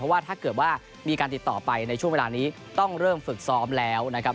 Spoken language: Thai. ว่าถ้าเกิดว่ามีการติดต่อไปในช่วงเวลานี้ต้องเริ่มฝึกซ้อมแล้วนะครับ